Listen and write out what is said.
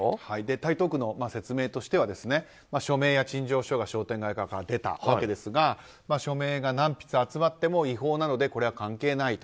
台東区の説明としては署名や陳情書が商店街側から出たわけですが署名が何筆集まっても違法なのでこれは関係ないと。